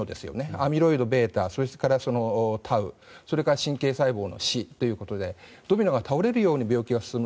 アミロイドβ、それからタウそれから神経細胞の死ということでドミノが倒れるように病気が進む。